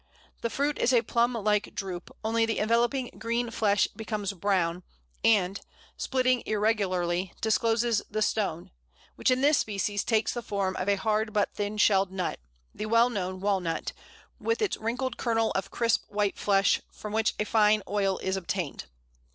The fruit is a plum like drupe, only the enveloping green flesh becomes brown, and, splitting irregularly, discloses the "stone," which in this species takes the form of a hard but thin shelled nut the well known Walnut, with its wrinkled kernel of crisp white flesh, from which a fine oil is obtained.